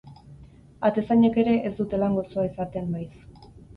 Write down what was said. Atezainek ere ez dute lan gozoa izaten maiz.